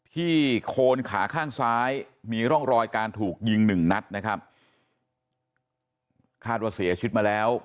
โคนขาข้างซ้ายมีร่องรอยการถูกยิงหนึ่งนัดนะครับคาดว่าเสียชีวิตมาแล้ว